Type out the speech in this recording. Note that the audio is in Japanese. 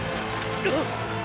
あっ！